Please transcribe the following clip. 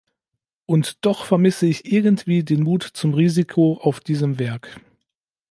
Und doch vermisse ich irgendwie den Mut zum Risiko auf diesem Werk.